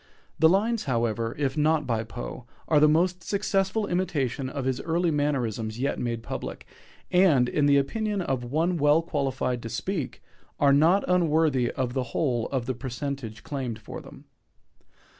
The lines, however, if not by Poe, are the most successful imitation of his early mannerisms yet made public, and, in the opinion of one well qualified to speak, "are not unworthy on the whole of the parentage claimed for them."